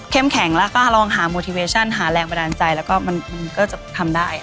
แข็งแล้วก็ลองหาโมทิเวชั่นหาแรงบันดาลใจแล้วก็มันก็จะทำได้